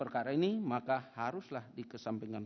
perkara ini maka haruslah dikesampingkan